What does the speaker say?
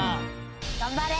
頑張れ。